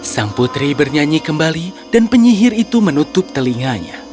sang putri bernyanyi kembali dan penyihir itu menutup telinganya